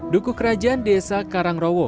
duku kerajaan desa karangrowo